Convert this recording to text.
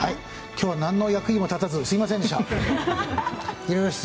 今日は何の役にも立てずすみませんでした。